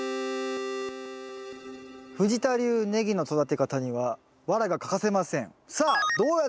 藤田流ネギの育て方にはワラが欠かせません。